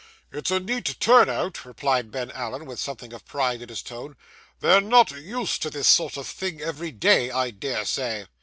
'It's a neat turn out,' replied Ben Allen, with something of pride in his tone. 'They're not used to see this sort of thing, every day, I dare say.